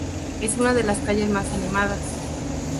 Es una de las calles más animadas.